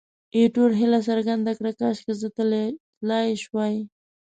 ایټور هیله څرګنده کړه، کاشکې زه تلای شوای.